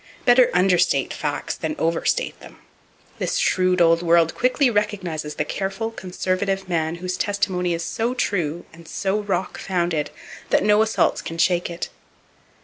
Better understate facts than overstate them. This shrewd old world quickly recognizes the careful, conservative man whose testimony is so true and so rock founded that no assaults can shake it.